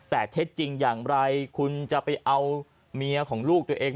แต่เท็จจริงอย่างไรคุณจะไปเอาเมียของลูกตัวเอง